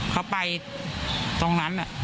เขาไปตรงนั้น